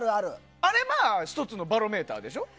あれは１つのバロメーターでしょ？